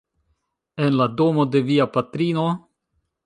En la domo de via patrino?